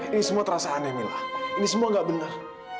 ini semua terasa aneh mila ini semua gak benar